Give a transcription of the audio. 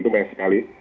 itu banyak sekali